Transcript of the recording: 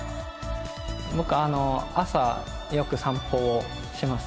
僕あの朝よく散歩をします。